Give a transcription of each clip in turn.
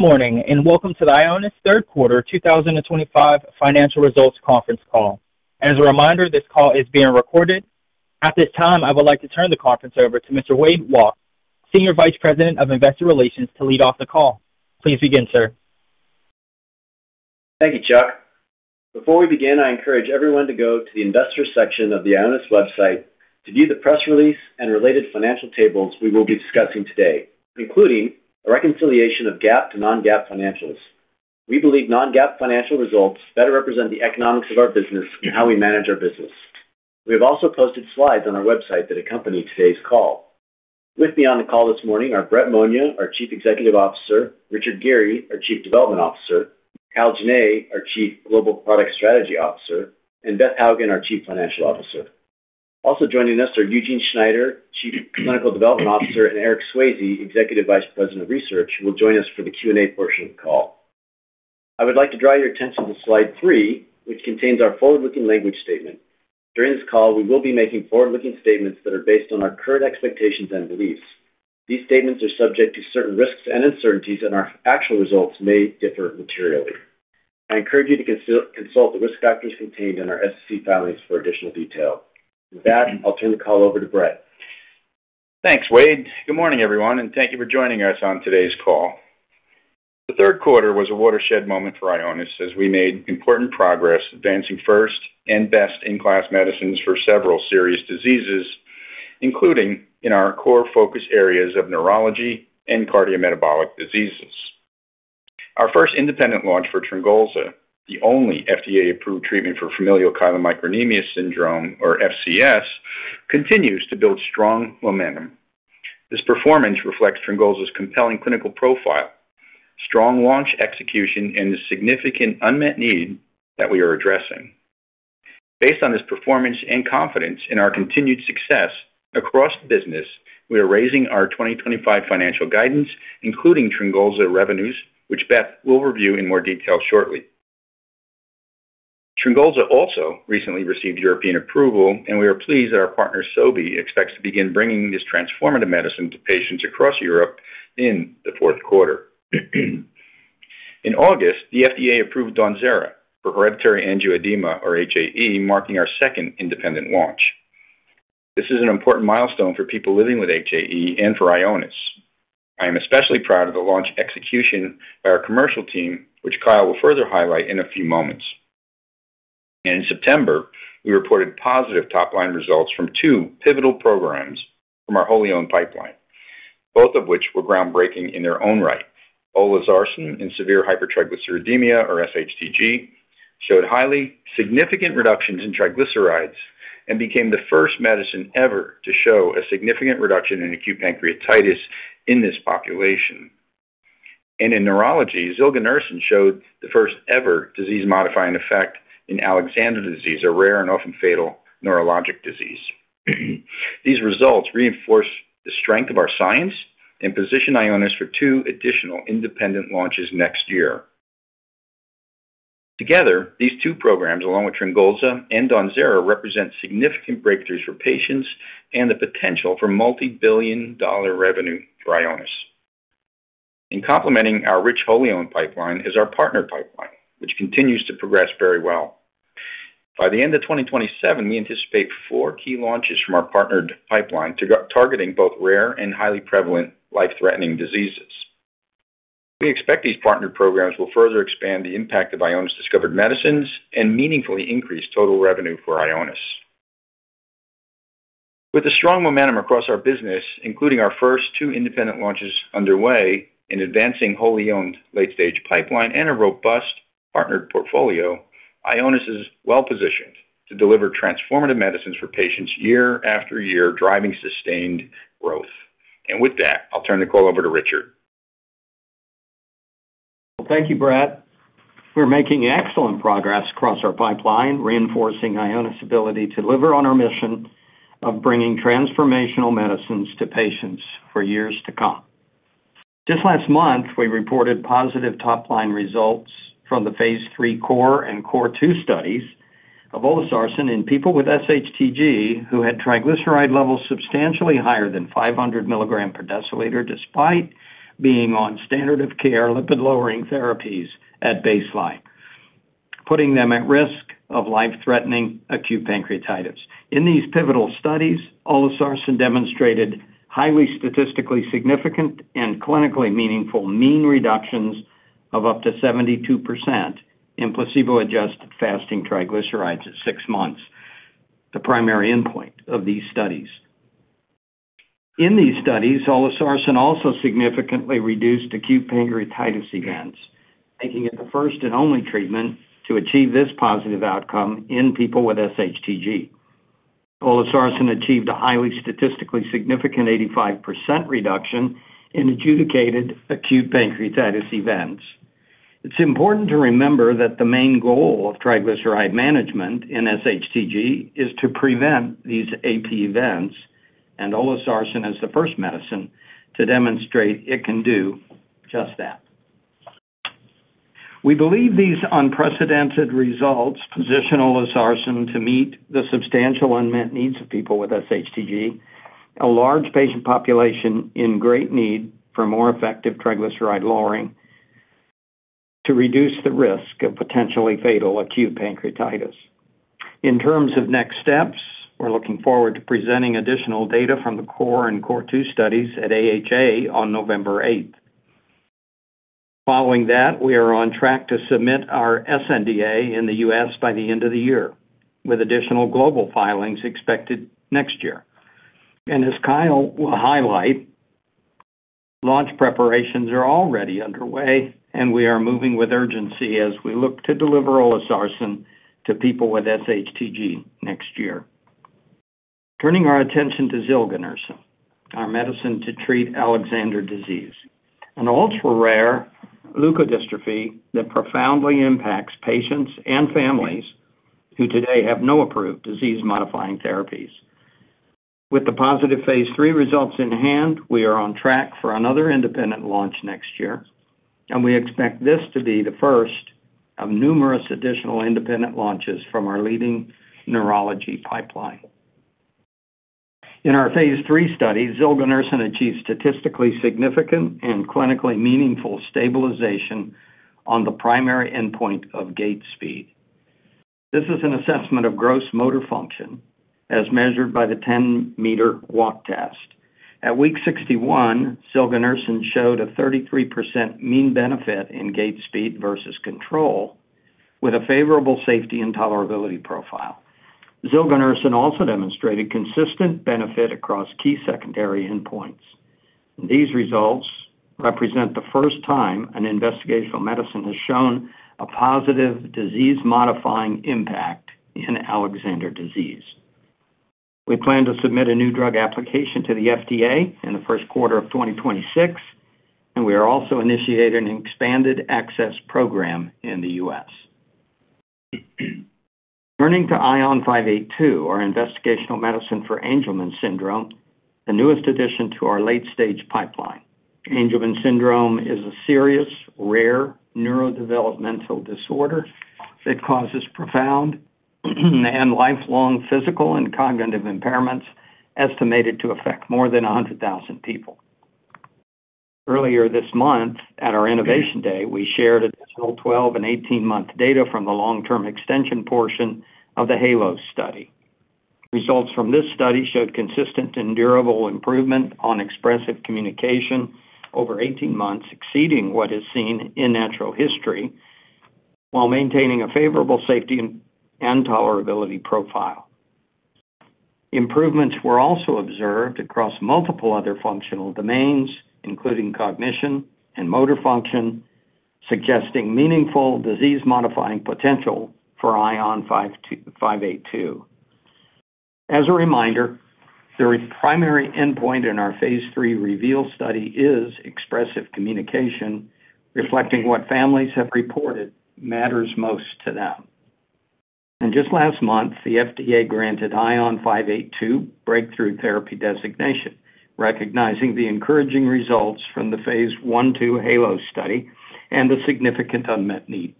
Morning and Welcome to the Ionis third quarter 2025 financial results conference call. As a reminder, this call is being recorded. At this time, I would like to turn the conference over to Mr. Wade Walke, Senior Vice President of Investor Relations, to lead off the call. Please begin, sir. Thank you, Chuck. Before we begin, I encourage everyone to go to the Investor Section of the Ionis website to view the press release and related financial tables we will be discussing today, including a reconciliation of GAAP to non-GAAP financials. We believe non-GAAP financial results better represent the economics of our business and how we manage our business. We have also posted slides on our website that accompany today's call. With me on the call this morning are Brett Monia, our Chief Executive Officer, Richard Geary, our Chief Development Officer, Kyle Jenne, our Chief Global Product Strategy Officer, and Beth Hougen, our Chief Financial Officer. Also joining us are Eugene Schneider, Chief Clinical Development Officer, and Eric Swayze, Executive Vice President of Research, who will join us for the Q&A portion of the call. I would like to draw your attention to slide three, which contains our forward-looking language statement. During this call, we will be making forward-looking statements that are based on our current expectations and beliefs. These statements are subject to certain risks and uncertainties, and our actual results may differ materially. I encourage you to consult the risk factors contained in our SEC filings for additional detail. With that, I'll turn the call over to Brett. Thanks, Wade. Good morning, everyone, and thank you for joining us on today's call. The third quarter was a watershed moment for Ionis as we made important progress advancing first and best in class medicines for several serious diseases, including in our core focus areas of neurology and cardiometabolic diseases. Our first independent launch for TRYNGOLZA the only FDA-approved treatment for familial chylomicronemia syndrome, or FCS, continues to build strong momentum. This performance reflects TRYNGOLZA's compelling clinical profile, strong launch execution, and the significant unmet need that we are addressing. Based on this performance and confidence in our continued success across the business, we are raising our 2025 financial guidance, including TRYNGOLZA revenues, which Beth will review in more detail shortly. TRYNGOLZA also recently received European approval, and we are pleased that our partner Sobi expects to begin bringing this transformative medicine to patients across Europe in the fourth quarter. In August, the FDA approved DAWNZERA for hereditary angioedema, or HAE, marking our second independent launch. This is an important milestone for people living with HAE and for Ionis. I am especially proud of the launch execution by our commercial team, which Kyle will further highlight in a few moments. In September, we reported positive top-line results from two pivotal programs from our wholly owned pipeline, both of which were groundbreaking in their own right. Olezarsen, in severe hypertriglyceridemia, or sHTG, showed highly significant reductions in triglycerides and became the first medicine ever to show a significant reduction in acute pancreatitis in this population. In neurology, zilganersen showed the first ever disease-modifying effect in Alexander disease, a rare and often fatal neurologic disease. These results reinforce the strength of our science and position Ionis for two additional independent launches next year. Together, these two programs, along with TRYNGOLZA and DAWNZERA, represent significant breakthroughs for patients and the potential for multi-billion dollar revenue for Ionis. Complementing our rich wholly owned pipeline is our partner pipeline, which continues to progress very well. By the end of 2027, we anticipate four key launches from our partnered pipeline targeting both rare and highly prevalent life-threatening diseases. We expect these partnered programs will further expand the impact of Ionis discovered medicines and meaningfully increase total revenue for Ionis. With strong momentum across our business, including our first two independent launches underway, an advancing wholly owned late-stage pipeline, and a robust partnered portfolio, Ionis is well positioned to deliver transformative medicines for patients year after year, driving sustained growth. With that, I'll turn the call over to Richard. Thank you, Brett, for making excellent progress across our pipeline, reinforcing Ionis's ability to deliver on our mission of bringing transformational medicines to patients for years to come. Just last month, we reported positive top-line results from the phase III CORE and CORE2 studies of olzarsen in people with sHTG who had triglyceride levels substantially higher than 500 milligrams per deciliter, despite being on standard of care lipid-lowering therapies at baseline, putting them at risk of life-threatening acute pancreatitis. In these pivotal studies, olzarsen demonstrated highly statistically significant and clinically meaningful mean reductions of up to 72% in placebo-adjusted fasting triglycerides at six months, the primary endpoint of these studies. In these studies, olzarsen also significantly reduced acute pancreatitis events, making it the first and only treatment to achieve this positive outcome in people with sHTG. Olzarsen achieved a highly statistically significant 85% reduction in adjudicated acute pancreatitis events. It's important to remember that the main goal of triglyceride management in sHTG is to prevent these AP events, and olzarsen is the first medicine to demonstrate it can do just that. We believe these unprecedented results position olzarsen to meet the substantial unmet needs of people with sHTG, a large patient population in great need for more effective triglyceride lowering to reduce the risk of potentially fatal acute pancreatitis. In terms of next steps, we're looking forward to presenting additional data from the CORE and CORE2 studies at AHA on November 8th. Following that, we are on track to submit our sNDA in the U.S. by the end of the year, with additional global filings expected next year. As Kyle will highlight, launch preparations are already underway, and we are moving with urgency as we look to deliver olzarsen to people with sHTG next year. Turning our attention to zilganersen, our medicine to treat Alexander disease, an ultra-rare leukodystrophy that profoundly impacts patients and families who today have no approved disease-modifying therapies. With the positive phase III results in hand, we are on track for another independent launch next year, and we expect this to be the first of numerous additional independent launches from our leading neurology pipeline. In our phase III studies, zilganersen achieved statistically significant and clinically meaningful stabilization on the primary endpoint of gait speed. This is an assessment of gross motor function as measured by the 10-meter walk test. At week 61, zilganersen showed a 33% mean benefit in gait speed versus control, with a favorable safety and tolerability profile. zilganersen also demonstrated consistent benefit across key secondary endpoints. These results represent the first time an investigational medicine has shown a positive disease-modifying impact in Alexander disease. We plan to submit a new drug application to the FDA in the first quarter of 2026, and we are also initiating an expanded access program in the U.S. Turning to ION582, our investigational medicine for Angelman syndrome, the newest addition to our late-stage pipeline. Angelman syndrome is a serious, rare neurodevelopmental disorder that causes profound and lifelong physical and cognitive impairments estimated to affect more than 100,000 people. Earlier this month, at our Innovation Day, we shared additional 12 month and 18 month data from the long-term extension portion of the HALOS study. Results from this study showed consistent and durable improvement on expressive communication over 18 months, exceeding what is seen in natural history, while maintaining a favorable safety and tolerability profile. Improvements were also observed across multiple other functional domains, including cognition and motor function, suggesting meaningful disease-modifying potential for ION582. As a reminder, the primary endpoint in our phase III REVEAL study is expressive communication, reflecting what families have reported matters most to them. Just last month, the FDA granted ION582 breakthrough therapy designation, recognizing the encouraging results from the phase I-II HALOS study and the significant unmet need.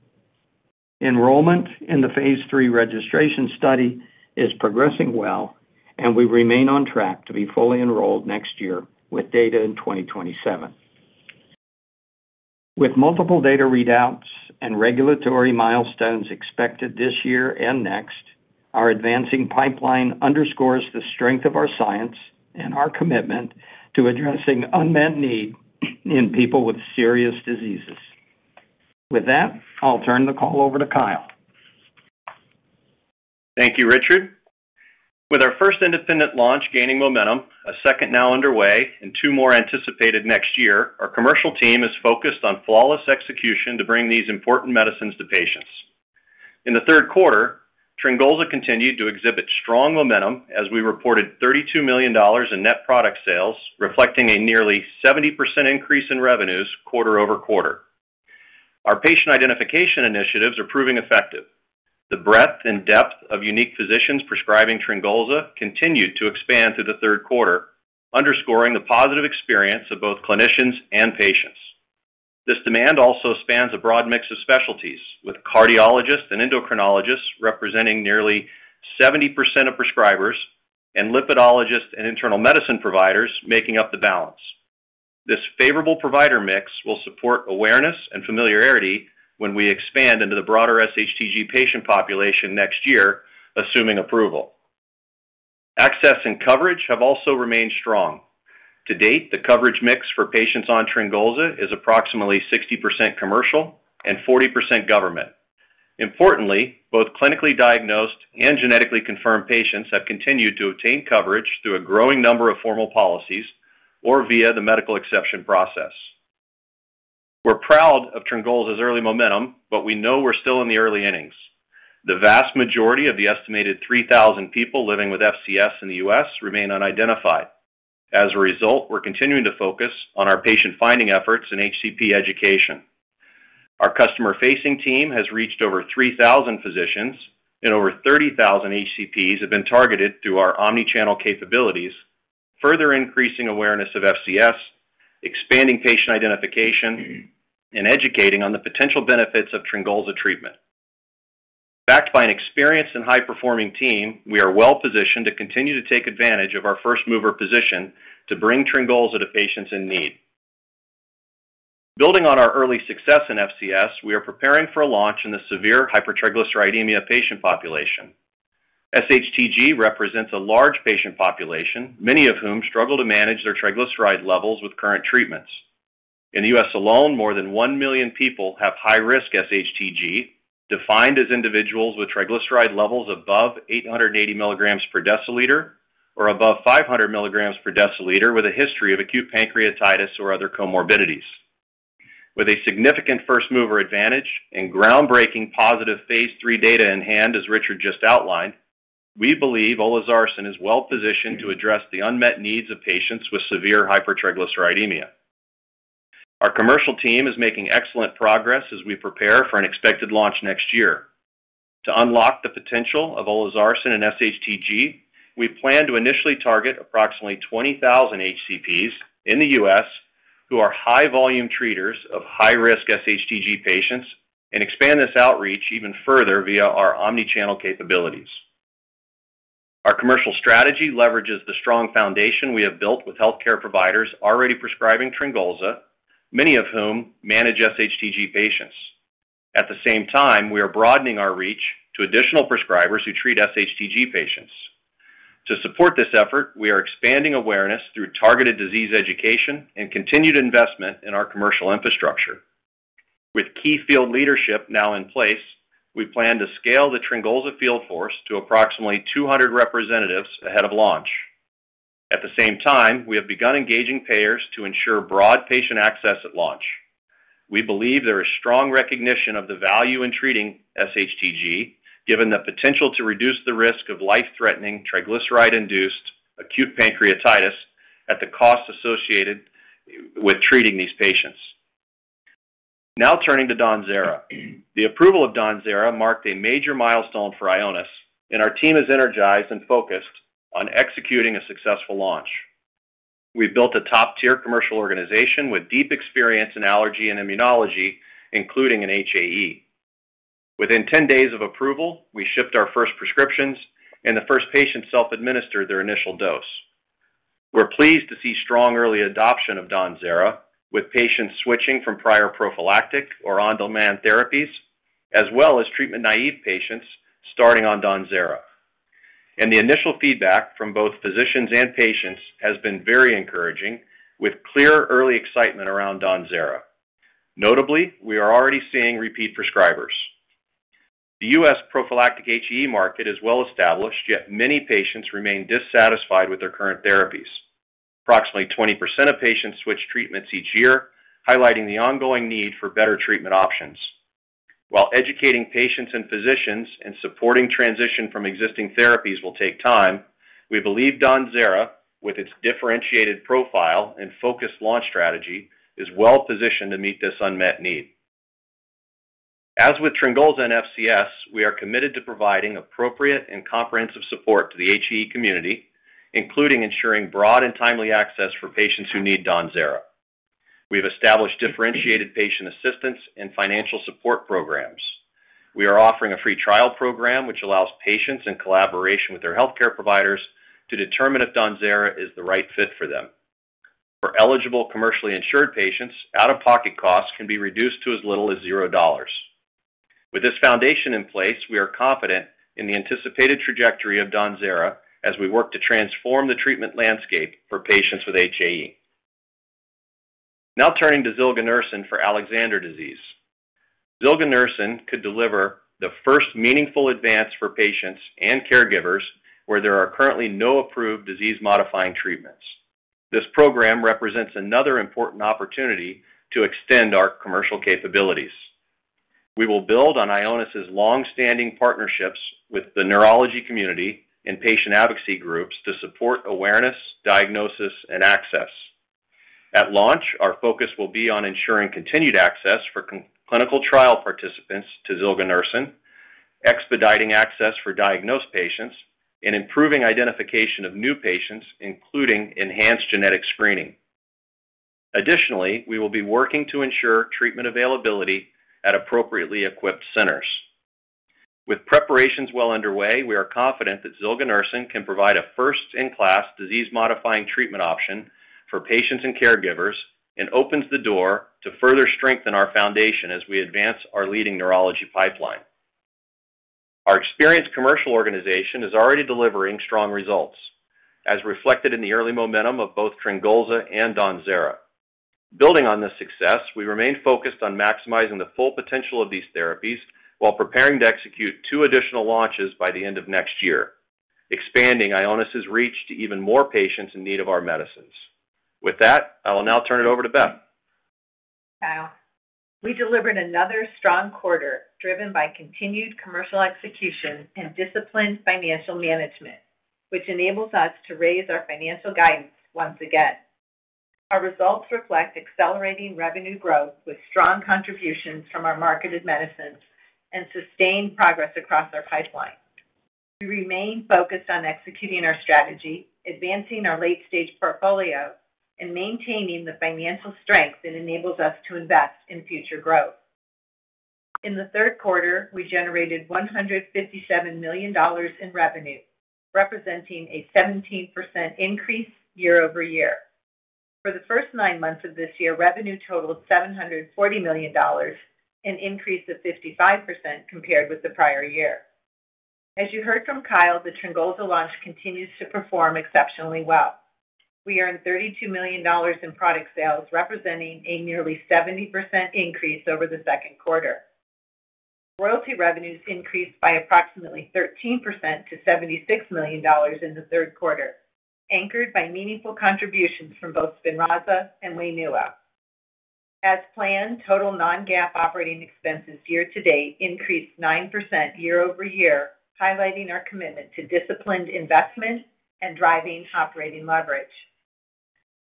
Enrollment in the phase III registration study is progressing well, and we remain on track to be fully enrolled next year with data in 2027. With multiple data readouts and regulatory milestones expected this year and next, our advancing pipeline underscores the strength of our science and our commitment to addressing unmet need in people with serious diseases. With that, I'll turn the call over to Kyle. Thank you, Richard. With our first independent launch gaining momentum, a second now underway, and two more anticipated next year, our commercial team is focused on flawless execution to bring these important medicines to patients. In the third quarter, TRYNGOLZA continued to exhibit strong momentum as we reported $32 million in net product sales, reflecting a nearly 70% increase in revenues quarter over quarter. Our patient identification initiatives are proving effective. The breadth and depth of unique physicians prescribing TRYNGOLZA continued to expand through the third quarter, underscoring the positive experience of both clinicians and patients. This demand also spans a broad mix of specialties, with cardiologists and endocrinologists representing nearly 70% of prescribers and lipidologists and internal medicine providers making up the balance. This favorable provider mix will support awareness and familiarity when we expand into the broader sHTG patient population next year, assuming approval. Access and coverage have also remained strong. To date, the coverage mix for patients on TRYNGOLZA is approximately 60% commercial and 40% government. Importantly, both clinically diagnosed and genetically confirmed patients have continued to obtain coverage through a growing number of formal policies or via the medical exception process. We're proud of TRYNGOLZA's early momentum, but we know we're still in the early innings. The vast majority of the estimated 3,000 people living with FCS in the U.S. remain unidentified. As a result, we're continuing to focus on our patient finding efforts and HCP education. Our customer-facing team has reached over 3,000 physicians, and over 30,000 HCPs have been targeted through our omnichannel capabilities, further increasing awareness of FCS, expanding patient identification, and educating on the potential benefits of TRYNGOLZA treatment. Backed by an experienced and high-performing team, we are well positioned to continue to take advantage of our first mover position to bring TRYNGOLZA to patients in need. Building on our early success in FCS, we are preparing for a launch in the severe hypertriglyceridemia patient population. sHTG represents a large patient population, many of whom struggle to manage their triglyceride levels with current treatments. In the U.S. alone, more than 1 million people have high-risk sHTG, defined as individuals with triglyceride levels above 880 milligrams per deciliter or above 500 milligrams per deciliter with a history of acute pancreatitis or other comorbidities. With a significant first mover advantage and groundbreaking positive phase III data in hand, as Richard just outlined, we believe olzarsen is well positioned to address the unmet needs of patients with severe hypertriglyceridemia. Our commercial team is making excellent progress as we prepare for an expected launch next year. To unlock the potential of olzarsen and sHTG, we plan to initially target approximately 20,000 HCPs in the U.S. who are high-volume treaters of high-risk sHTG patients and expand this outreach even further via our omnichannel capabilities. Our commercial strategy leverages the strong foundation we have built with healthcare providers already prescribing TRYNGOLZA, many of whom manage sHTG patients. At the same time, we are broadening our reach to additional prescribers who treat sHTG patients. To support this effort, we are expanding awareness through targeted disease education and continued investment in our commercial infrastructure. With key field leadership now in place, we plan to scale the TRYNGOLZA field force to approximately 200 representatives ahead of launch. At the same time, we have begun engaging payers to ensure broad patient access at launch. We believe there is strong recognition of the value in treating sHTG, given the potential to reduce the risk of life-threatening triglyceride-induced acute pancreatitis at the cost associated with treating these patients. Now turning to DAWNZERA, the approval of DAWNZERA marked a major milestone for Ionis, and our team is energized and focused on executing a successful launch. We built a top-tier commercial organization with deep experience in allergy and immunology, including in HAE. Within 10 days of approval, we shipped our first prescriptions, and the first patients self-administered their initial dose. We're pleased to see strong early adoption of DAWNZERA, with patients switching from prior prophylactic or on-demand therapies, as well as treatment-naive patients starting on DAWNZERA. The initial feedback from both physicians and patients has been very encouraging, with clear early excitement around DAWNZERA. Notably, we are already seeing repeat prescribers. The U.S. prophylactic HAE market is well established, yet many patients remain dissatisfied with their current therapies. Approximately 20% of patients switch treatments each year, highlighting the ongoing need for better treatment options. While educating patients and physicians and supporting transition from existing therapies will take time, we believe DAWNZERA, with its differentiated profile and focused launch strategy, is well positioned to meet this unmet need. As with TRYNGOLZA and FCS, we are committed to providing appropriate and comprehensive support to the HAE community, including ensuring broad and timely access for patients who need DAWNZERA. We have established differentiated patient assistance and financial support programs. We are offering a free trial program, which allows patients in collaboration with their healthcare providers to determine if DAWNZERA is the right fit for them. For eligible commercially insured patients, out-of-pocket costs can be reduced to as little as $0. With this foundation in place, we are confident in the anticipated trajectory of DAWNZERA as we work to transform the treatment landscape for patients with HAE. Now turning to zilganersen for Alexander disease. Zilganersen could deliver the first meaningful advance for patients and caregivers where there are currently no approved disease-modifying treatments. This program represents another important opportunity to extend our commercial capabilities. We will build on Ionis' longstanding partnerships with the neurology community and patient advocacy groups to support awareness, diagnosis, and access. At launch, our focus will be on ensuring continued access for clinical trial participants to zilganersen, expediting access for diagnosed patients, and improving identification of new patients, including enhanced genetic screening. Additionally, we will be working to ensure treatment availability at appropriately equipped centers. With preparations well underway, we are confident that zilganersen can provide a first-in-class disease-modifying treatment option for patients and caregivers and opens the door to further strengthen our foundation as we advance our leading neurology pipeline. Our experienced commercial organization is already delivering strong results, as reflected in the early momentum of both TRYNGOLZA and DAWNZERA. Building on this success, we remain focused on maximizing the full potential of these therapies while preparing to execute two additional launches by the end of next year, expanding Ionis's reach to even more patients in need of our medicines. With that, I will now turn it over to Beth. Kyle, we delivered another strong quarter driven by continued commercial execution and disciplined financial management, which enables us to raise our financial guidance once again. Our results reflect accelerating revenue growth with strong contributions from our marketed medicines and sustained progress across our pipeline. We remain focused on executing our strategy, advancing our late-stage portfolio, and maintaining the financial strength that enables us to invest in future growth. In the third quarter, we generated $157 million in revenue, representing a 17% increase year-over-year. For the first nine months of this year, revenue totaled $740 million, an increase of 55% compared with the prior year. As you heard from Kyle, the TRYNGOLZA launch continues to perform exceptionally well. We earned $32 million in product sales, representing a nearly 70% increase over the second quarter. Royalty revenues increased by approximately 13% to $76 million in the third quarter, anchored by meaningful contributions from both SPINRAZA and WAINUA. As planned, total non-GAAP operating expenses year to date increased 9% year-over-year, highlighting our commitment to disciplined investment and driving operating leverage.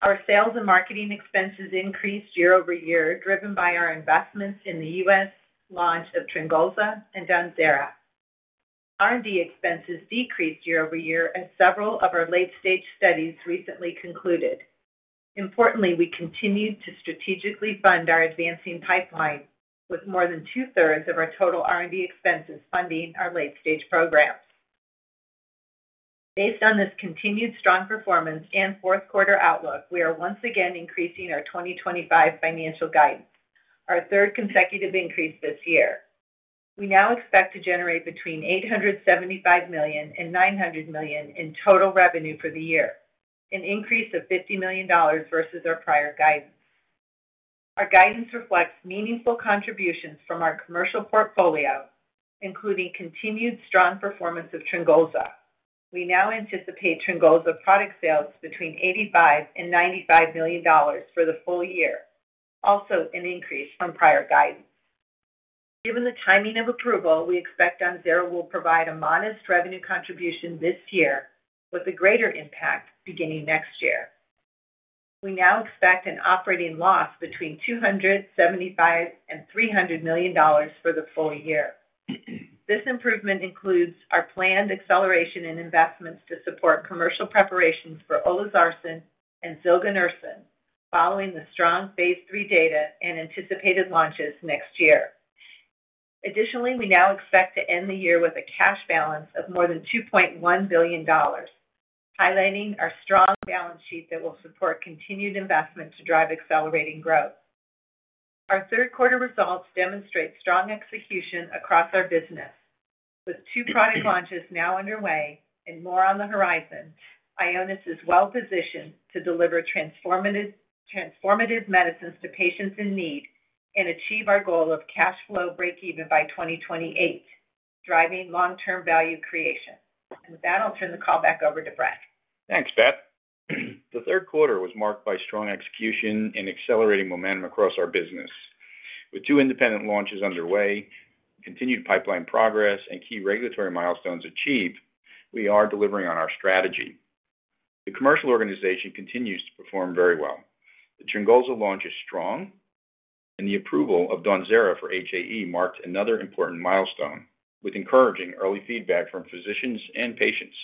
Our sales and marketing expenses increased year-over-year, driven by our investments in the U.S. launch of TRYNGOLZA and DAWNZERA. R&D expenses decreased year-over-year, as several of our late-stage studies recently concluded. Importantly, we continued to strategically fund our advancing pipeline, with more than two-thirds of our total R&D expenses funding our late-stage programs. Based on this continued strong performance and fourth quarter outlook, we are once again increasing our 2025 financial guidance, our third consecutive increase this year. We now expect to generate between $875 million and $900 million in total revenue for the year, an increase of $50 million versus our prior guidance. Our guidance reflects meaningful contributions from our commercial portfolio, including continued strong performance of TRYNGOLZA. We now anticipate TRYNGOLZA product sales between $85 million and $95 million for the full year, also an increase from prior guidance. Given the timing of approval, we expect DAWNZERA will provide a modest revenue contribution this year, with a greater impact beginning next year. We now expect an operating loss between $275 million and $300 million for the full year. This improvement includes our planned acceleration in investments to support commercial preparations for olzarsen and zilganersen following the strong phase III data and anticipated launches next year. Additionally, we now expect to end the year with a cash balance of more than $2.1 billion, highlighting our strong balance sheet that will support continued investment to drive accelerating growth. Our third quarter results demonstrate strong execution across our business. With two product launches now underway and more on the horizon, Ionis is well positioned to deliver transformative medicines to patients in need and achieve our goal of cash flow breakeven by 2028, driving long-term value creation. I'll turn the call back over to Brett. Thanks, Beth. The third quarter was marked by strong execution and accelerating momentum across our business. With two independent launches underway, continued pipeline progress, and key regulatory milestones achieved, we are delivering on our strategy. The commercial organization continues to perform very well. The TRYNGOLZA launch is strong, and the approval of DAWNZERA for HAE marked another important milestone, with encouraging early feedback from physicians and patients.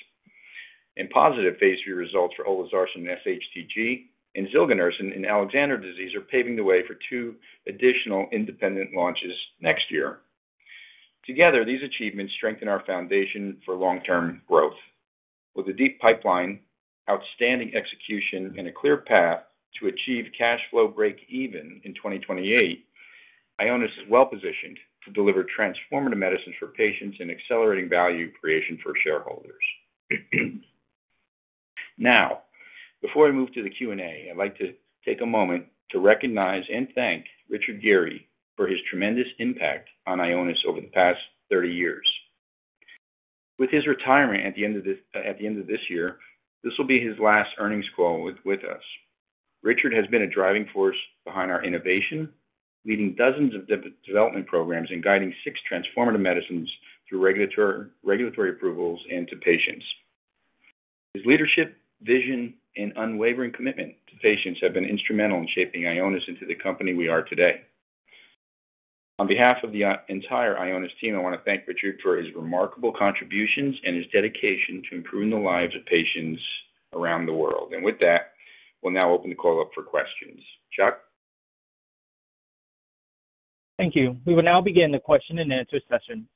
Positive phase III results for olzarsen in sHTG and zilganersen in Alexander disease are paving the way for two additional independent launches next year. Together, these achievements strengthen our foundation for long-term growth. With a deep pipeline, outstanding execution, and a clear path to achieve cash flow breakeven in 2028, Ionis is well positioned to deliver transformative medicines for patients and accelerating value creation for shareholders. Now, before I move to the Q&A, I'd like to take a moment to recognize and thank Richard Geary for his tremendous impact on Ionis over the past 30 years. With his retirement at the end of this year, this will be his last earnings call with us. Richard has been a driving force behind our innovation, leading dozens of development programs and guiding six transformative medicines through regulatory approvals and to patients. His leadership, vision, and unwavering commitment to patients have been instrumental in shaping Ionis into the company we are today. On behalf of the entire Ionis team, I want to thank Richard for his remarkable contributions and his dedication to improving the lives of patients around the world. With that, we'll now open the call up for questions. Chuck? Thank you. We will now begin the question and answer session.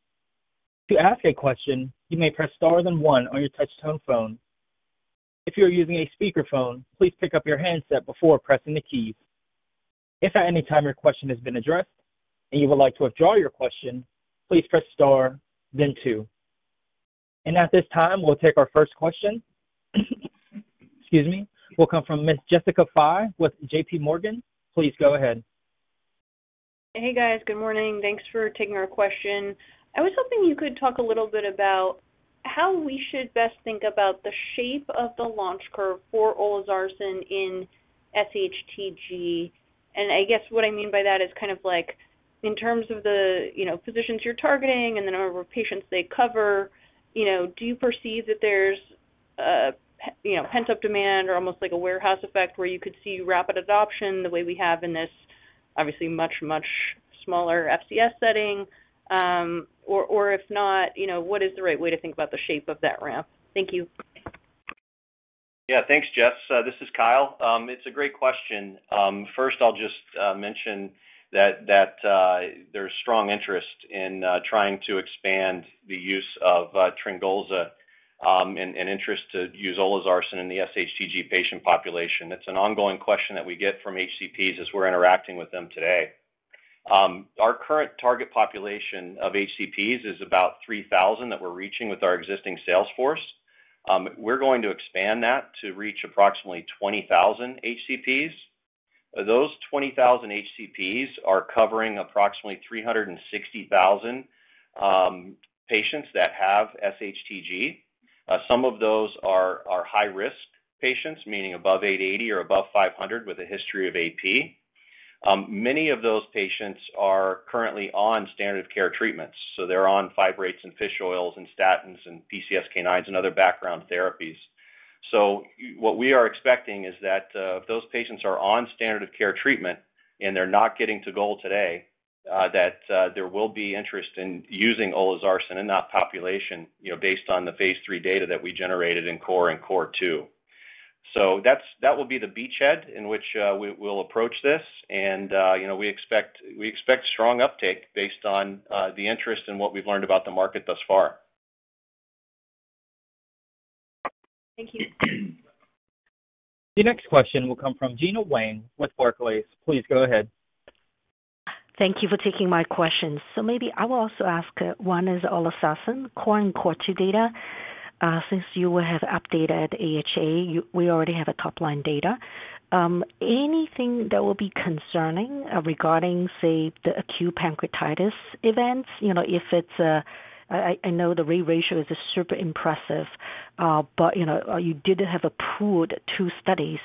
To ask a question, you may press star then one on your touch-tone phone. If you're using a speakerphone, please pick up your handset before pressing the key. If at any time your question has been addressed and you'd like to withdraw your question, please press star then two. At this time, we'll take our first question. Excuse me, will come from Ms. Jessica Fye with JP Morgan. Please go ahead. Hey, guys. Good morning. Thanks for taking our question. I was hoping you could talk a little bit about how we should best think about the shape of the launch curve for olzarsen in sHTG. What I mean by that is in terms of the physicians you're targeting and the number of patients they cover, do you perceive that there's pent-up demand or almost like a warehouse effect where you could see rapid adoption the way we have in this, obviously, much, much smaller FCS setting? If not, what is the right way to think about the shape of that ramp? Thank you. Yeah, thanks, Jess. This is Kyle. It's a great question. First, I'll just mention that there's strong interest in trying to expand the use of TRYNGOLZA and interest to use olzarsen in the sHTG patient population. It's an ongoing question that we get from HCPs as we're interacting with them today. Our current target population of HCPs is about 3,000 HCPs that we're reaching with our existing sales force. We're going to expand that to reach approximately 20,000 HCPs. Those 20,000 HCPs are covering approximately 360,000 patients that have sHTG. Some of those are high-risk patients, meaning above 880 patients or above 500 patients with a history of AP. Many of those patients are currently on standard-of-care treatments. They're on fibrates and fish oils and statins and PCSK9s and other background therapies. What we are expecting is that if those patients are on standard-of-care treatment and they're not getting to goal today, there will be interest in using olzarsen in that population, based on the phase III data that we generated in CORE and CORE2. That will be the beachhead in which we'll approach this. We expect strong uptake based on the interest and what we've learned about the market thus far. Thank you. The next question will come from Gena Wang with Barclays. Please go ahead. Thank you for taking my question. Maybe I will also ask one is olzarsen CORE and CORE2 data. Since you will have updated AHA, we already have a top-line data. Anything that will be concerning, regarding, say, the acute pancreatitis events? I know the rate ratio is super impressive, but you did have approved two studies.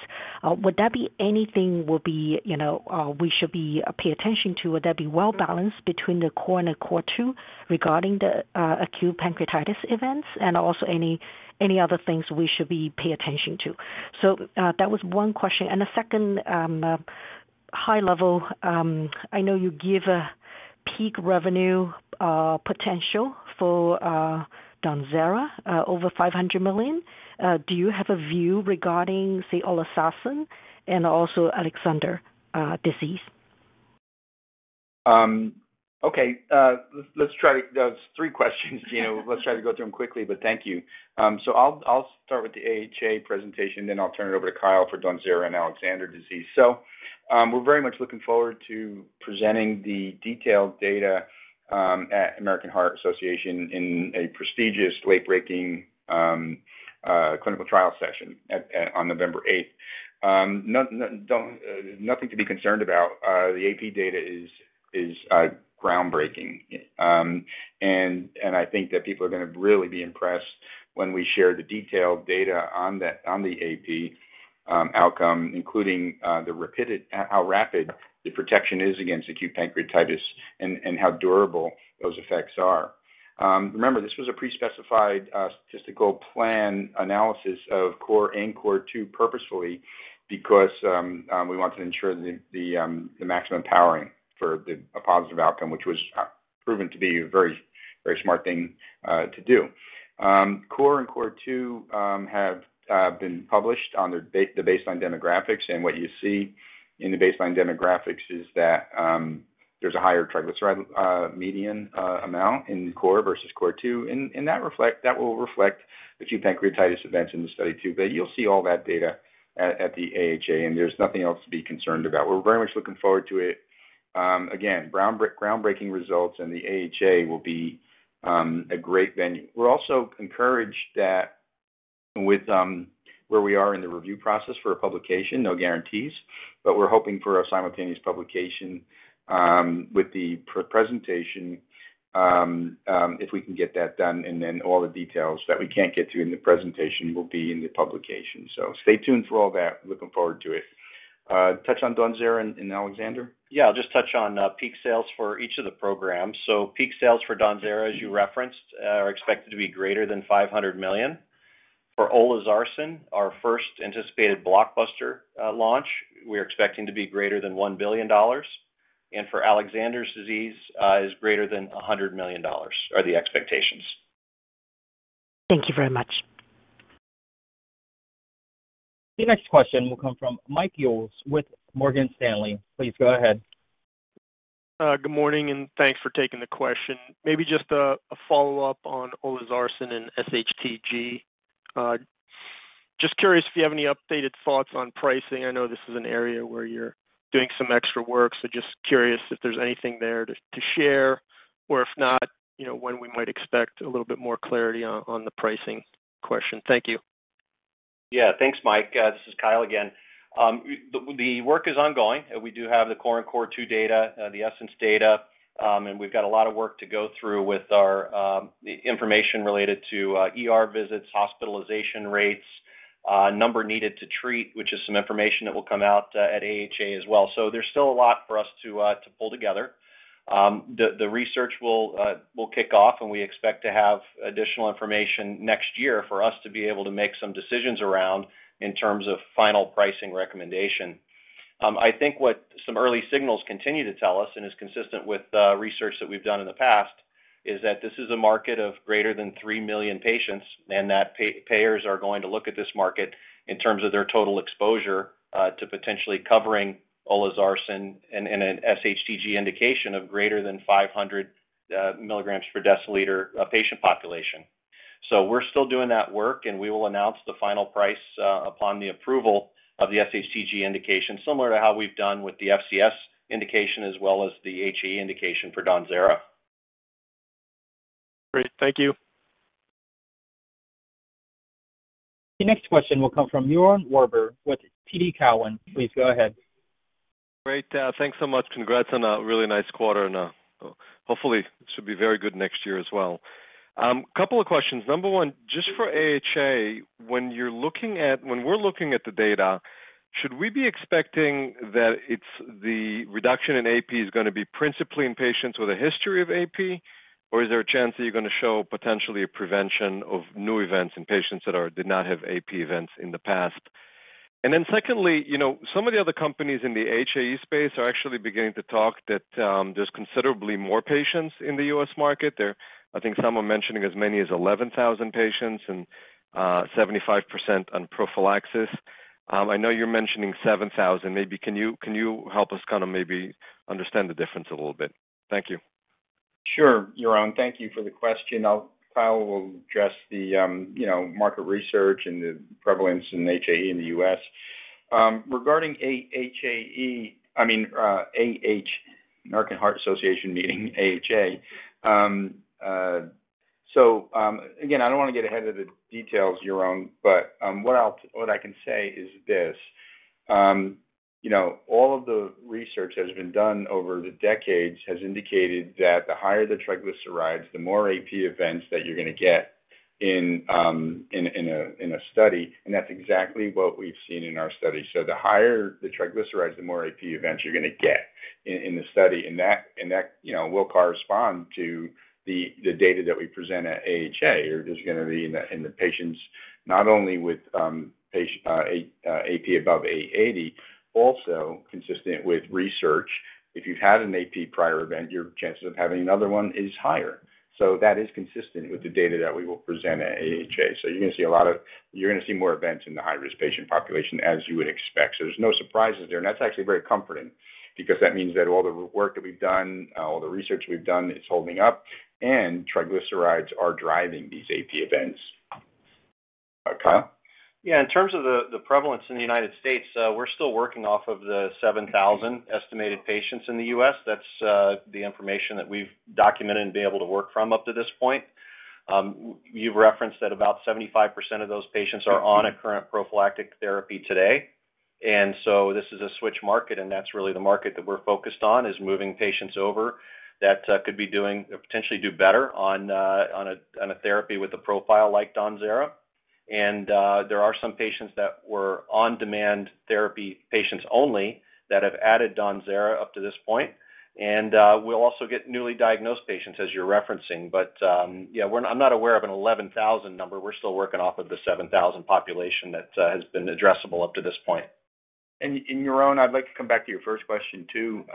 Would that be anything we should be paying attention to? Would that be well balanced between the CORE and CORE2 regarding the acute pancreatitis events and also any other things we should be paying attention to? That was one question. The second, high level, I know you give a peak revenue potential for DAWNZERA, over $500 million. Do you have a view regarding, say, olzarsen and also Alexander disease? Okay. Let's try to, that was three questions, Gena. Let's try to go through them quickly, but thank you. I'll start with the AHA presentation, then I'll turn it over to Kyle for DAWNZERA and Alexander disease. We're very much looking forward to presenting the detailed data at American Heart Association in a prestigious, late-breaking clinical trial session on November 8th. Nothing to be concerned about. The AP data is groundbreaking, and I think that people are going to really be impressed when we share the detailed data on the AP outcome, including how rapid the protection is against acute pancreatitis and how durable those effects are. Remember, this was a pre-specified statistical plan analysis of CORE and CORE2 purposefully because we wanted to ensure the maximum powering for a positive outcome, which was proven to be a very, very smart thing to do. CORE and CORE2 have been published on their baseline demographics. What you see in the baseline demographics is that there's a higher triglyceride median amount in CORE versus CORE2. That will reflect acute pancreatitis events in the study too. You'll see all that data at the AHA, and there's nothing else to be concerned about. We're very much looking forward to it. Again, groundbreaking results and the AHA will be a great venue. We're also encouraged with where we are in the review process for a publication. No guarantees, but we're hoping for a simultaneous publication with the presentation, if we can get that done. All the details that we can't get to in the presentation will be in the publication. Stay tuned for all that. Looking forward to it. Touch on DAWNZERA and Alexander? I'll just touch on peak sales for each of the programs. Peak sales for DAWNZERA, as you referenced, are expected to be greater than $500 million. For olzarsen, our first anticipated blockbuster launch, we are expecting to be greater than $1 billion. For Alexander's disease, greater than $100 million are the expectations. Thank you very much. The next question will come from Mike Ulz with Morgan Stanley. Please go ahead. Good morning, and thanks for taking the question. Maybe just a follow-up on olzarsen and sHTG. Just curious if you have any updated thoughts on pricing. I know this is an area where you're doing some extra work, so just curious if there's anything there to share or if not, you know, when we might expect a little bit more clarity on the pricing question. Thank you. Yeah, thanks, Mike. This is Kyle again. The work is ongoing. We do have the CORE and CORE2, the essence data, and we've got a lot of work to go through with our information related to visits, hospitalization rates, number needed to treat, which is some information that will come out at AHA as well. There's still a lot for us to pull together. The research will kick off, and we expect to have additional information next year for us to be able to make some decisions around in terms of final pricing recommendation. I think what some early signals continue to tell us and is consistent with research that we've done in the past is that this is a market of greater than 3 million patients and that payers are going to look at this market in terms of their total exposure to potentially covering olzarsen and an sHTG indication of greater than 500 milligrams per deciliter patient population. We're still doing that work, and we will announce the final price upon the approval of the sHTG indication, similar to how we've done with the FCS indication as well as the HAE indication for DAWNZERA. Great. Thank you. The next question will come from Yaron Werber with TD Cowen. Please go ahead. Great, thanks so much. Congrats on a really nice quarter, and hopefully, this should be very good next year as well. A couple of questions. Number one, just for AHA, when you're looking at when we're looking at the data, should we be expecting that it's the reduction in AP is going to be principally in patients with a history of AP, or is there a chance that you're going to show potentially a prevention of new events in patients that did not have AP events in the past? Secondly, you know, some of the other companies in the HAE space are actually beginning to talk that there's considerably more patients in the U.S. market. I think some are mentioning as many as 11,000 patients and 75% on prophylaxis. I know you're mentioning 7,000 patients. Maybe can you help us kind of maybe understand the difference a little bit? Thank you. Sure, Yaron. Thank you for the question. Kyle will address the, you know, market research and the prevalence in HAE in the U.S. Regarding HAE, I mean, American Heart Association, meaning AHA. I don't want to get ahead of the details, Jeroen, but what I can say is this. All of the research that has been done over the decades has indicated that the higher the triglycerides, the more AP events that you're going to get in a study. That's exactly what we've seen in our study. The higher the triglycerides, the more AP events you're going to get in the study. That will correspond to the data that we present at AHA, or is going to be in the patients, not only with patient AP above 880 patients, also consistent with research. If you've had an AP prior event, your chances of having another one is higher. That is consistent with the data that we will present at AHA. You're going to see more events in the high-risk patient population, as you would expect. There's no surprises there. That's actually very comforting because that means that all the work that we've done, all the research we've done, it's holding up, and triglycerides are driving these AP events. Kyle? Yeah, in terms of the prevalence in the U.S., we're still working off of the 7,000 estimated patients in the U.S. That's the information that we've documented and been able to work from up to this point. You've referenced that about 75% of those patients are on a current prophylactic therapy today. This is a switch market, and that's really the market that we're focused on, moving patients over that could potentially do better on a therapy with a profile like DAWNZERA. There are some patients that were on-demand therapy patients only that have added DAWNZERA up to this point. We'll also get newly diagnosed patients, as you're referencing. I'm not aware of an 11,000 number. We're still working off of the 7,000 population that has been addressable up to this point. Yaron, I'd like to come back to your first question too.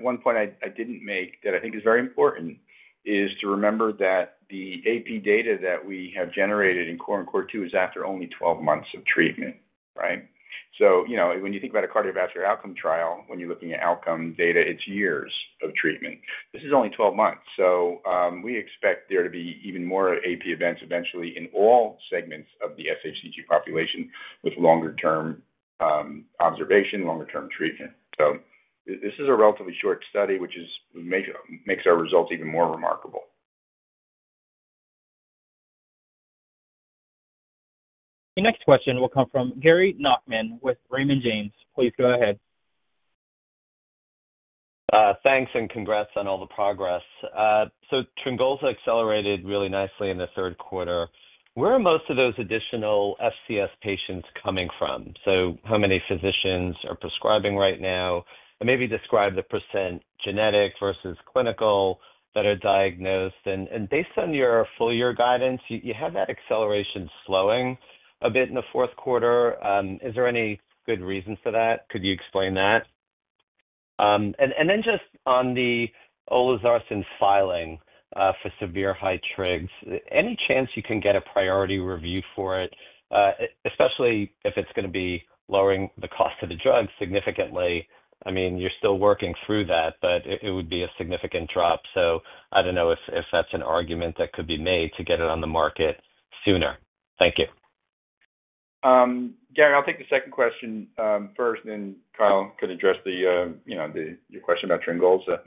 One point I didn't make that I think is very important is to remember that the AP data that we have generated in core and core two is after only 12 months of treatment, right? When you think about a cardiovascular outcome trial, when you're looking at outcome data, it's years of treatment. This is only 12 months. We expect there to be even more AP events eventually in all segments of the sHTG population with longer-term observation, longer-term treatment. This is a relatively short study, which makes our results even more remarkable. The next question will come from Gary Nachman with Raymond James. Please go ahead. Thanks, and congrats on all the progress. TRYNGOLZA accelerated really nicely in the third quarter. Where are most of those additional FCS patients coming from? How many physicians are prescribing right now? Maybe describe the % genetic versus clinical that are diagnosed. Based on your full-year guidance, you have that acceleration slowing a bit in the fourth quarter. Is there any good reason for that? Could you explain that? Just on the olzarsen filing for severe high trigs, any chance you can get a priority review for it, especially if it's going to be lowering the cost of the drug significantly? You're still working through that, but it would be a significant drop. I don't know if that's an argument that could be made to get it on the market sooner. Thank you. Gary, I'll take the second question first, and then Kyle could address your question about TRYNGOLZA.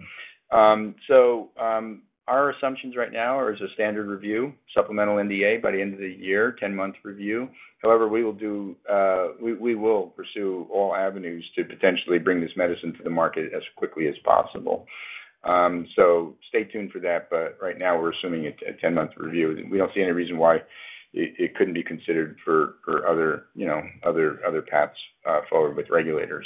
Our assumptions right now are as a standard review, supplemental NDA by the end of the year, 10-month review. However, we will pursue all avenues to potentially bring this medicine to the market as quickly as possible. Stay tuned for that. Right now, we're assuming a 10-month review. We don't see any reason why it couldn't be considered for other paths forward with regulators.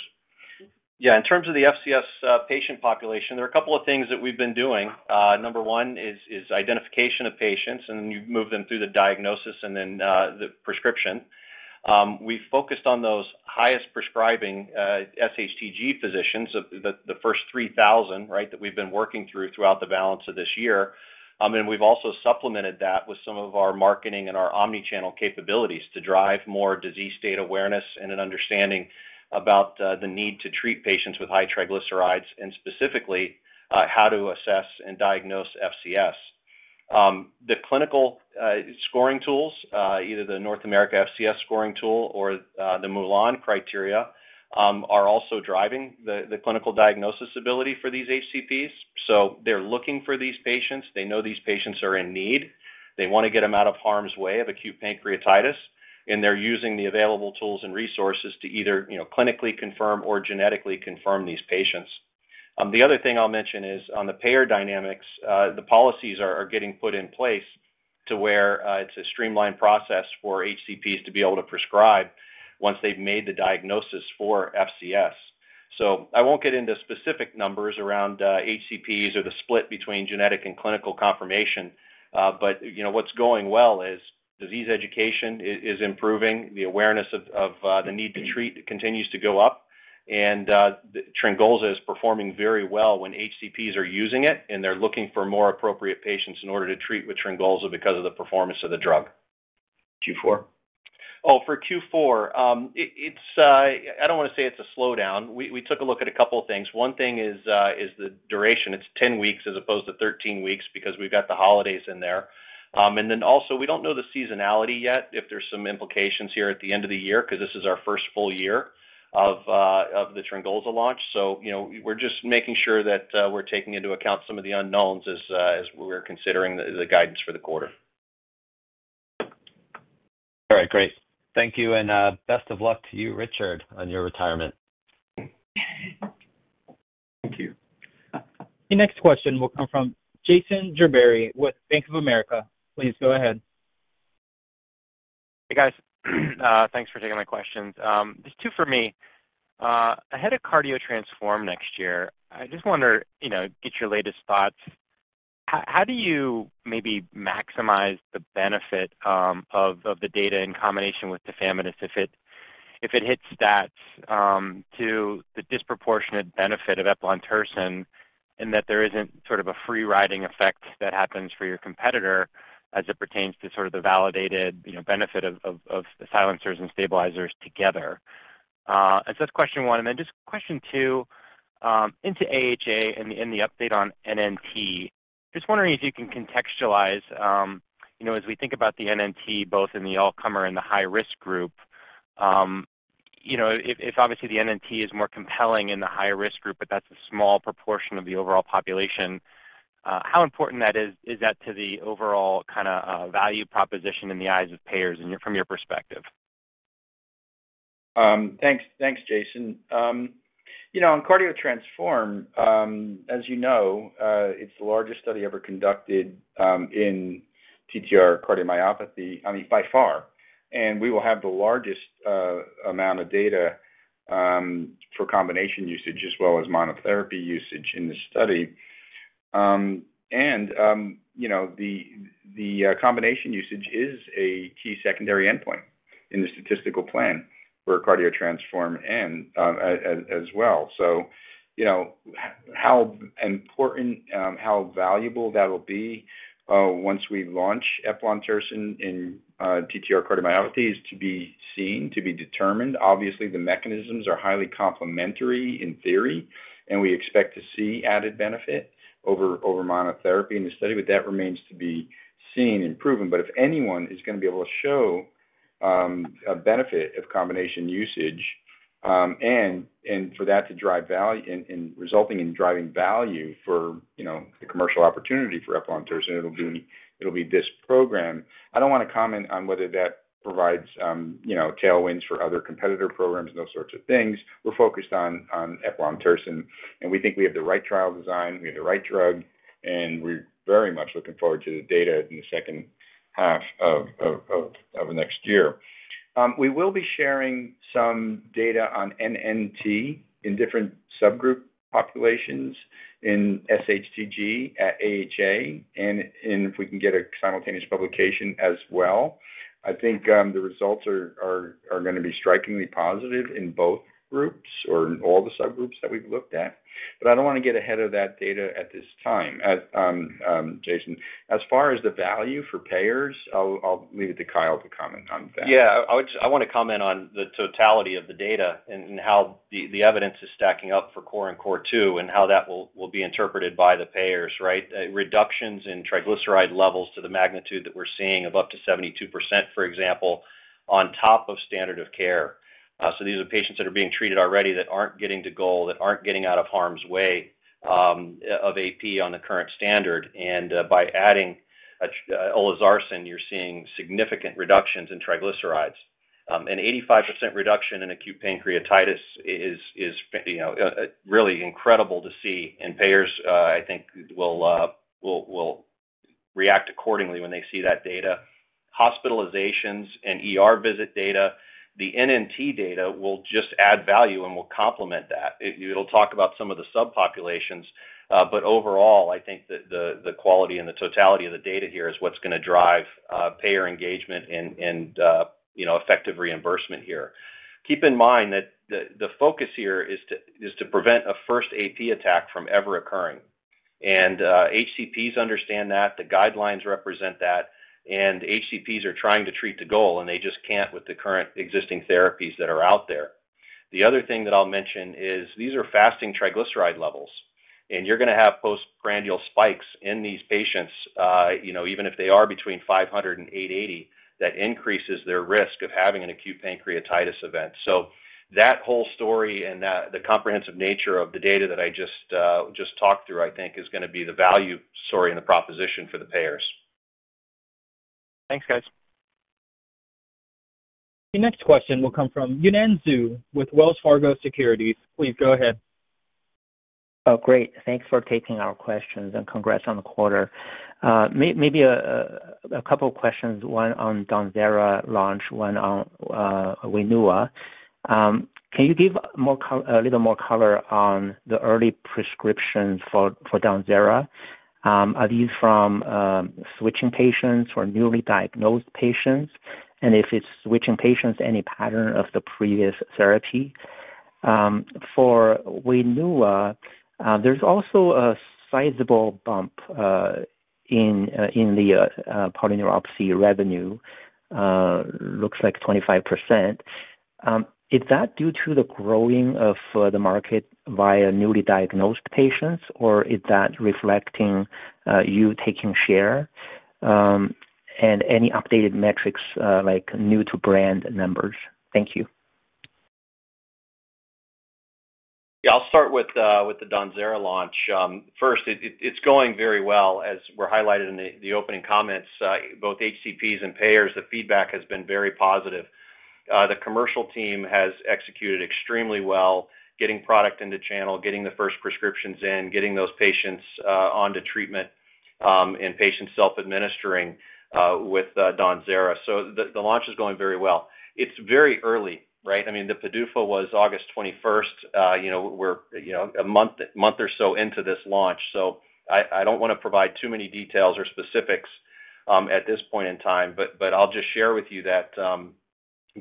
Yeah, in terms of the FCS patient population, there are a couple of things that we've been doing. Number one is identification of patients, and then you move them through the diagnosis and then the prescription. We focused on those highest prescribing sHTG physicians, the first 3,000 patients, that we've been working through throughout the balance of this year. We've also supplemented that with some of our marketing and our omnichannel capabilities to drive more disease state awareness and an understanding about the need to treat patients with high triglycerides and specifically how to assess and diagnose FCS. The clinical scoring tools, either the North America FCS scoring tool or the Milan criteria, are also driving the clinical diagnosis ability for these HCPs. They are looking for these patients. They know these patients are in need. They want to get them out of harm's way of acute pancreatitis. They are using the available tools and resources to either clinically confirm or genetically confirm these patients. The other thing I'll mention is on the payer dynamics, the policies are getting put in place to where it's a streamlined process for HCPs to be able to prescribe once they've made the diagnosis for FCS. I won't get into specific numbers around HCPs or the split between genetic and clinical confirmation. What's going well is disease education is improving. The awareness of the need to treat continues to go up. TRYNGOLZA is performing very well when HCPs are using it, and they're looking for more appropriate patients in order to treat with TRYNGOLZA because of the performance of the drug. Q4? For Q4, I don't want to say it's a slowdown. We took a look at a couple of things. One thing is the duration. It's 10 weeks as opposed to 13 weeks because we've got the holidays in there. Also, we don't know the seasonality yet, if there's some implications here at the end of the year because this is our first full year of the TRYNGOLZA launch. We're just making sure that we're taking into account some of the unknowns as we're considering the guidance for the quarter. All right. Great. Thank you. Best of luck to you, Richard, on your retirement. The next question will come from Jason Gerbery with Bank of America. Please go ahead. Hey, guys. Thanks for taking my questions. Just two for me. Ahead of CARDIO-TTRansform next year, I just want to get your latest thoughts. How do you maybe maximize the benefit of the data in combination with tafamidis if it hits stats to the disproportionate benefit of Eplontersen and that there isn't sort of a free-riding effect that happens for your competitor as it pertains to sort of the validated, you know, benefit of the silencers and stabilizers together? That's question one. Then just question two, into AHA and the update on NNT. Just wondering if you can contextualize, you know, as we think about the NNT both in the all-comer and the high-risk group. If obviously the NNT is more compelling in the high-risk group, but that's a small proportion of the overall population, how important that is, is that to the overall kind of value proposition in the eyes of payers and from your perspective? Thanks, thanks, Jason. On CARDIO-TTRansform, as you know, it's the largest study ever conducted in TTR cardiomyopathy, by far. We will have the largest amount of data for combination usage as well as monotherapy usage in this study. The combination usage is a key secondary endpoint in the statistical plan fo rCARDIO-TTRansform as well. How important, how valuable that will be once we launch Eplontersen in TTR cardiomyopathies is to be seen, to be determined. Obviously, the mechanisms are highly complementary in theory, and we expect to see added benefit over monotherapy in the study, but that remains to be seen and proven. If anyone is going to be able to show a benefit of combination usage, and for that to drive value and result in driving value for the commercial opportunity for Eplontersen, it'll be this program. I don't want to comment on whether that provides tailwinds for other competitor programs, those sorts of things. We're focused on Eplontersen, and we think we have the right trial design. We have the right drug, and we're very much looking forward to the data in the second half of next year. We will be sharing some data on NNT in different subgroup populations in sHTG at AHA, and if we can get a simultaneous publication as well. I think the results are going to be strikingly positive in both groups or in all the subgroups that we've looked at. I don't want to get ahead of that data at this time, Jason. As far as the value for payers, I'll leave it to Kyle to comment on that. Yeah, I want to comment on the totality of the data and how the evidence is stacking up for core and core two and how that will be interpreted by the payers, right? Reductions in triglyceride levels to the magnitude that we're seeing of up to 72%, for example, on top of standard of care. These are patients that are being treated already that aren't getting to goal, that aren't getting out of harm's way, of AP on the current standard. By adding olzarsen, you're seeing significant reductions in triglycerides. An 85% reduction in acute pancreatitis is really incredible to see. Payers, I think, will react accordingly when they see that data. Hospitalizations and visit data, the NNT data will just add value and will complement that. It'll talk about some of the subpopulations. Overall, I think that the quality and the totality of the data here is what's going to drive payer engagement and effective reimbursement here. Keep in mind that the focus here is to prevent a first AP attack from ever occurring. HCPs understand that. The guidelines represent that. HCPs are trying to treat to goal, and they just can't with the current existing therapies that are out there. The other thing that I'll mention is these are fasting triglyceride levels. You're going to have postprandial spikes in these patients, even if they are between 500 patients and 880 patients, that increases their risk of having an acute pancreatitis event. That whole story and the comprehensive nature of the data that I just talked through, I think, is going to be the value story and the proposition for the payers. Thanks, guys. The next question will come from Yanan Zhu with Wells Fargo Securities. Please go ahead. Oh, great. Thanks for taking our questions, and congrats on the quarter. Maybe a couple of questions, one on DAWNZERA launch, one on WAINUA. Can you give a little more color on the early prescriptions for DAWNZERA? Are these from switching patients or newly diagnosed patients? If it's switching patients, any pattern of the previous therapy? For WAINUA, there's also a sizable bump in the polyneuropathy revenue. Looks like 25%. Is that due to the growing of the market via newly diagnosed patients, or is that reflecting you taking share? Any updated metrics, like new-to-brand numbers? Thank you. Yeah, I'll start with the DAWNZERA launch. First, it's going very well, as we highlighted in the opening comments. Both HCPs and payers, the feedback has been very positive. The commercial team has executed extremely well, getting product into channel, getting the first prescriptions in, getting those patients onto treatment, and patients self-administering with DAWNZERA. The launch is going very well. It's very early, right? I mean, the PDUFA was August 21st. We're a month or so into this launch. I don't want to provide too many details or specifics at this point in time, but I'll just share with you that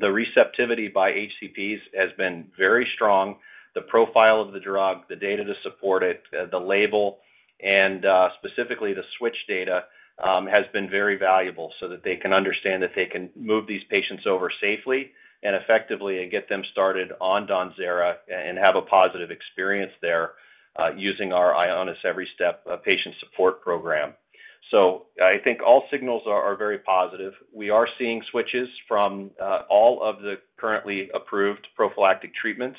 the receptivity by HCPs has been very strong. The profile of the drug, the data to support it, the label, and specifically the switch data, has been very valuable so that they can understand that they can move these patients over safely and effectively and get them started on DAWNZERA and have a positive experience there, using our Ionis Every Step patient support program. I think all signals are very positive. We are seeing switches from all of the currently approved prophylactic treatments.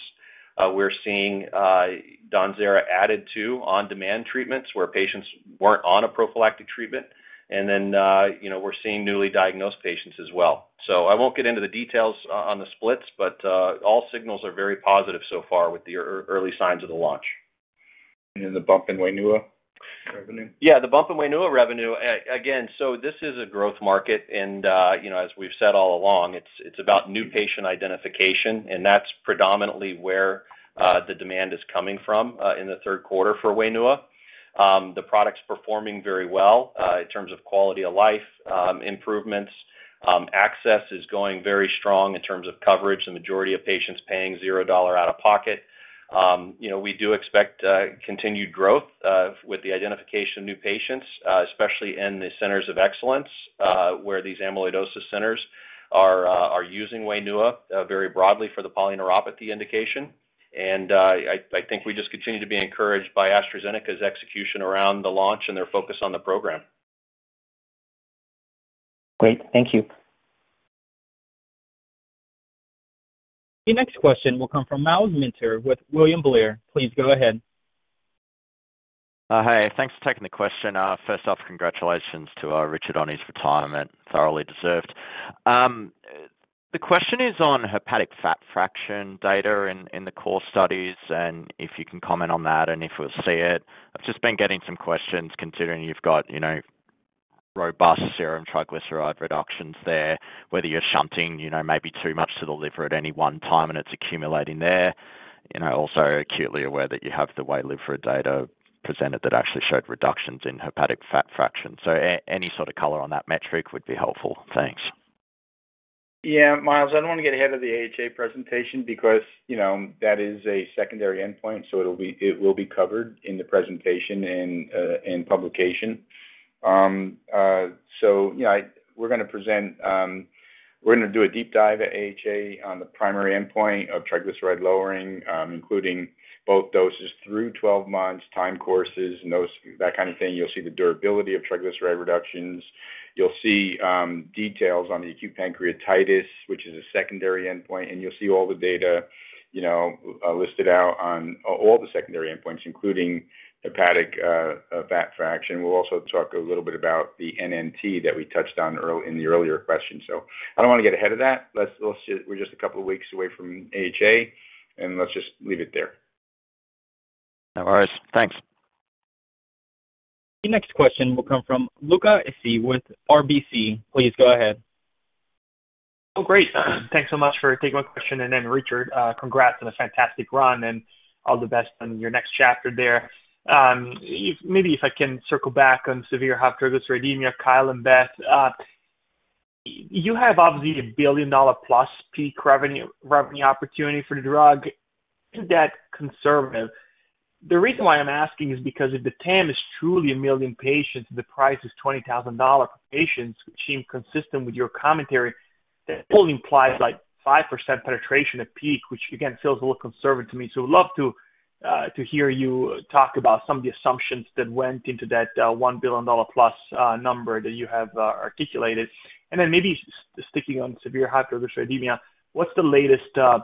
We're seeing DAWNZERA added to on-demand treatments where patients weren't on a prophylactic treatment. We're seeing newly diagnosed patients as well. I won't get into the details on the splits, but all signals are very positive so far with the early signs of the launch. The bump in WAINUA revenue? Yeah, the bump in WAINUA revenue, again, this is a growth market. You know, as we've said all along, it's about new patient identification, and that's predominantly where the demand is coming from in the third quarter for WAINUA. The product's performing very well in terms of quality of life improvements. Access is going very strong in terms of coverage, with the majority of patients paying $0 out of pocket. You know, we do expect continued growth with the identification of new patients, especially in the centers of excellence where these amyloidosis centers are using WAINUA very broadly for the polyneuropathy indication. I think we just continue to be encouraged by AstraZeneca's execution around the launch and their focus on the program. Great. Thank you. The next question will come from Myles Minter with William Blair. Please go ahead. Hi. Thanks for taking the question. First off, congratulations to Richard on his retirement. Thoroughly deserved. The question is on hepatic fat fraction data in the core studies and if you can comment on that and if we'll see it. I've just been getting some questions considering you've got, you know, robust serum triglyceride reductions there, whether you're shunting, you know, maybe too much to the liver at any one time and it's accumulating there. I'm also acutely aware that you have the WAINUA data presented that actually showed reductions in hepatic fat fraction. Any sort of color on that metric would be helpful. Thanks. Yeah, Miles, I don't want to get ahead of the AHA presentation because, you know, that is a secondary endpoint. It will be covered in the presentation and in publication. We're going to present, we're going to do a deep dive at AHA on the primary endpoint of triglyceride lowering, including both doses through 12 months, time courses, and those kinds of things. You'll see the durability of triglyceride reductions. You'll see details on the acute pancreatitis, which is a secondary endpoint. You'll see all the data listed out on all the secondary endpoints, including hepatic fat fraction. We'll also talk a little bit about the NNT that we touched on in the earlier question. I don't want to get ahead of that. We're just a couple of weeks away from AHA, and let's just leave it there. No worries. Thanks. The next question will come from Luca Issi with RBC. Please go ahead. Oh, great. Thanks so much for taking my question. Richard, congrats on a fantastic run and all the best on your next chapter there. Maybe if I can circle back on severe high triglyceridemia, Kyle and Beth, you have obviously a billion-dollar+ peak revenue opportunity for the drug. Is that conservative? The reason why I'm asking is because if the TAM is truly a million patients and the price is $20,000 per patient, which seemed consistent with your commentary, that only implies like 5% penetration at peak, which again feels a little conservative to me. I would love to hear you talk about some of the assumptions that went into that $1 billion+ number that you have articulated. Maybe sticking on severe high triglyceridemia, what's the latest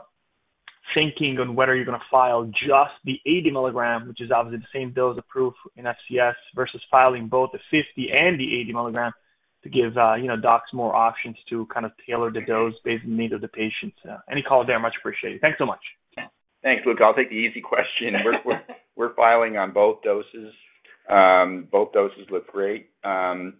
thinking on whether you're going to file just the 80 milligram, which is obviously the same dose approved in FCS, versus filing both the 50 milligram and the 80 milligram to give docs more options to kind of tailor the dose based on the needs of the patients? Any call there, much appreciated. Thanks so much. Thanks, Luca. I'll take the easy question. We're filing on both doses. Both doses look great, and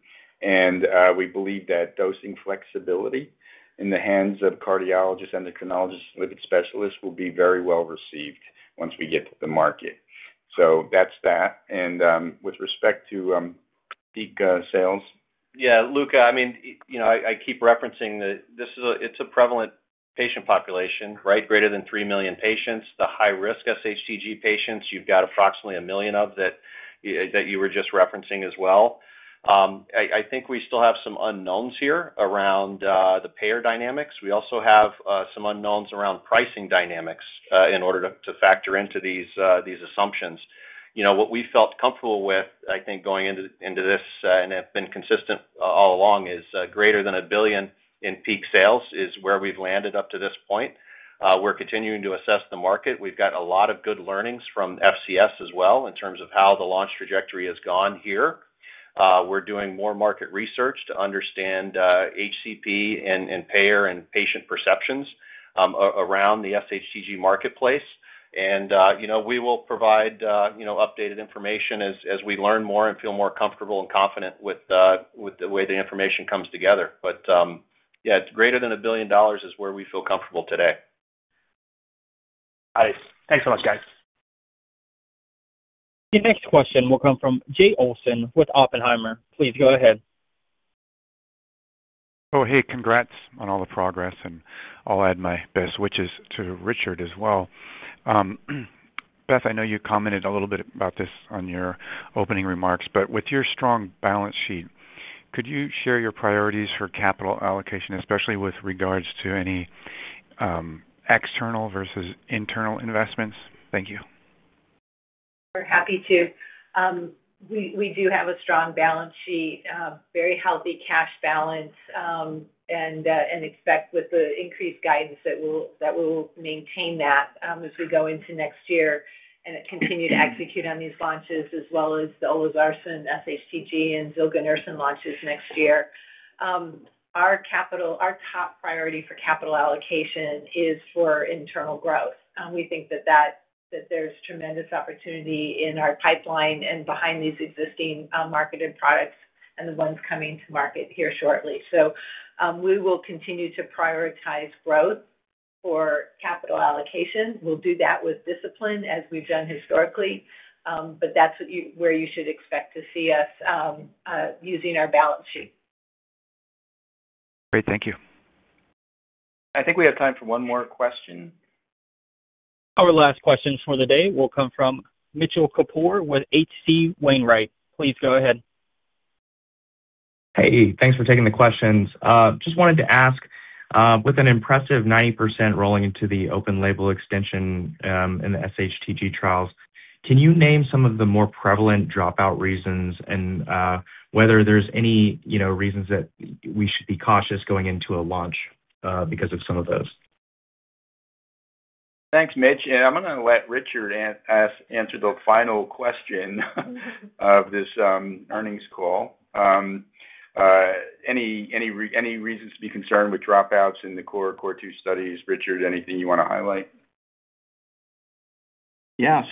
we believe that dosing flexibility in the hands of cardiologists, endocrinologists, and lipid specialists will be very well received once we get to the market. That's that. With respect to peak sales. Yeah, Luca, I mean, you know, I keep referencing that this is a, it's a prevalent patient population, right? Greater than 3 million patients. The high-risk sHTG patients, you've got approximately a million of that, that you were just referencing as well. I think we still have some unknowns here around the payer dynamics. We also have some unknowns around pricing dynamics, in order to factor into these assumptions. You know, what we felt comfortable with, I think, going into this, and have been consistent all along is, greater than a billion in peak sales is where we've landed up to this point. We're continuing to assess the market. We've got a lot of good learnings from FCS as well in terms of how the launch trajectory has gone here. We're doing more market research to understand HCP and payer and patient perceptions around the sHTG marketplace. You know, we will provide updated information as we learn more and feel more comfortable and confident with the way the information comes together. Yeah, it's greater than a billion dollars is where we feel comfortable today. Nice. Thanks so much, guys. The next question will come from Jay Olson with Oppenheimer. Please go ahead. Oh, hey, congrats on all the progress. I'll add my best wishes to Richard as well. Beth, I know you commented a little bit about this in your opening remarks, but with your strong balance sheet, could you share your priorities for capital allocation, especially with regards to any external versus internal investments? Thank you. We're happy to. We do have a strong balance sheet, very healthy cash balance, and expect with the increased guidance that we'll maintain that as we go into next year and continue to execute on these launches as well as the olzarsen, sHTG, and zilganersen launches next year. Our top priority for capital allocation is for internal growth. We think that there's tremendous opportunity in our pipeline and behind these existing marketed products and the ones coming to market here shortly. We will continue to prioritize growth for capital allocation. We'll do that with discipline as we've done historically. That's where you should expect to see us using our balance sheet. Great. Thank you. I think we have time for one more question. Our last question for the day will come from Mitchell Kapoor with HC Wainwright. Please go ahead. Hey, thanks for taking the questions. I just wanted to ask, with an impressive 90% rolling into the open-label extension in the sHTG trials, can you name some of the more prevalent dropout reasons, and whether there's any, you know, reasons that we should be cautious going into a launch because of some of those? Thanks, Mitch. I'm going to let Richard answer the final question of this earnings call. Any reasons to be concerned with dropouts in the core two studies? Richard, anything you want to highlight? Yeah.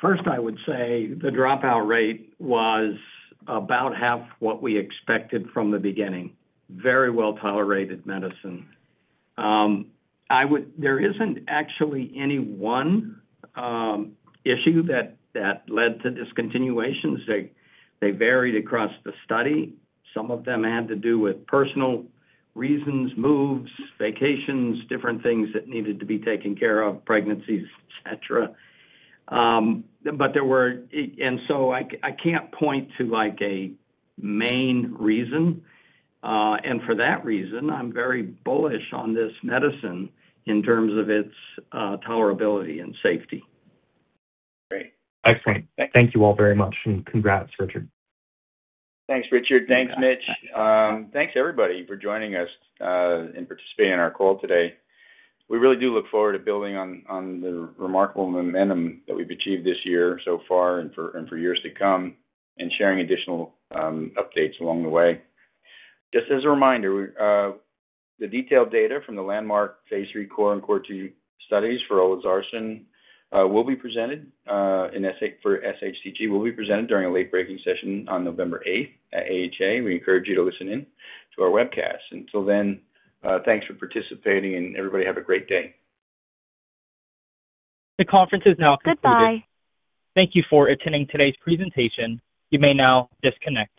First, I would say the dropout rate was about half what we expected from the beginning. Very well tolerated medicine. There isn't actually any one issue that led to discontinuations. They varied across the study. Some of them had to do with personal reasons, moves, vacations, different things that needed to be taken care of, pregnancies, etc. There were, and I can't point to a main reason. For that reason, I'm very bullish on this medicine in terms of its tolerability and safety. Great. Excellent. Thank you all very much. Congrats, Richard. Thanks, Richard. Thanks, Mitch. Thanks, everybody, for joining us and participating in our call today. We really do look forward to building on the remarkable momentum that we've achieved this year so far and for years to come and sharing additional updates along the way. Just as a reminder, the detailed data from the landmark phase III CORE and CORE2 studies for Olzarsen in sHTG will be presented during a late-breaking session on November 8th at the American Heart Association. We encourage you to listen in to our webcast. Until then, thanks for participating, and everybody have a great day. The conference is now concluded. Thank you for attending today's presentation. You may now disconnect.